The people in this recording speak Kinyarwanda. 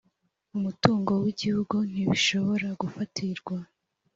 umutungo w’igihugu ntibishobora gufatirwa